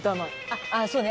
ああそうね。